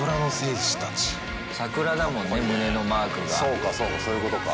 そうかそうかそういうことか。